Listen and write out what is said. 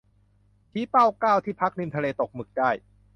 ชี้เป้า เก้า ที่พักริมทะเลตกหมึกได้